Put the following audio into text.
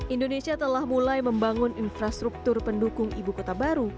indonesia telah mulai membangun infrastruktur pendukung ibu kota baru